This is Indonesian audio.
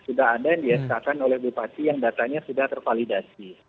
sudah ada yang di sk kan oleh bupati yang datanya sudah tervalidasi